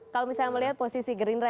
kalau misalnya melihat posisi gerindra